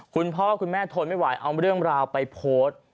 คุณพ่อคุณแม่ทนไม่ไหวเอาเรื่องราวไปโพสต์